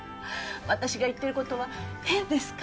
私が言ってる事は変ですか？